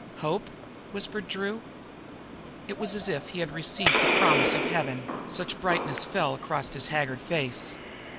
"Hope?" whispered Drew. It was as if he had received the promise of heaven, such brightness fell across his haggard face.